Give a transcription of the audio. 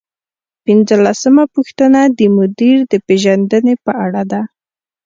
پنځلسمه پوښتنه د مدیر د پیژندنې په اړه ده.